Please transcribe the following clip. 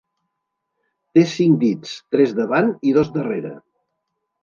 Té cinc dits, tres davant i dos darrere.